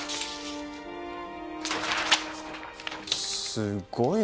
すごいなあ。